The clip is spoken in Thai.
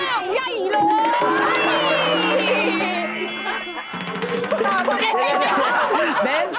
ช่องไหวเลย